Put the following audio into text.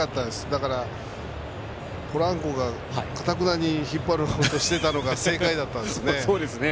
だからポランコがかたくなに引っ張ろうとしてたのが正解だったんですね。